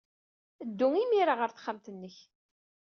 Ddu imir-a ɣer texxamt-nnek!